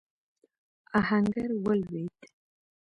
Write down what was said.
آهنګر ولوېد.